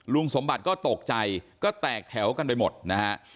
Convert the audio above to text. ลุงสมบัติก็ตกใจก็แตกแถวกันไปหมดนะฮะ